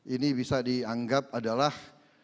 ini bisa dianggap adalah